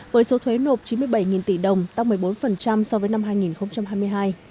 với số thuế nộp chín mươi bảy tỷ đồng tăng một mươi bốn so với năm hai nghìn hai mươi hai